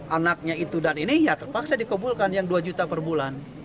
anaknya itu dan ini ya terpaksa dikabulkan yang dua juta per bulan